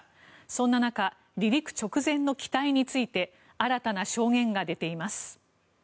そんな中離陸直前の機体について新たな証言が出ています。